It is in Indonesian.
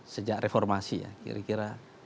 sejak reformasi ya kira kira